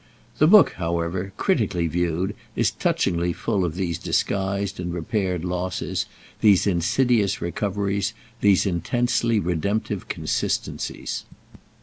The book, however, critically viewed, is touchingly full of these disguised and repaired losses, these insidious recoveries, these intensely redemptive consistencies.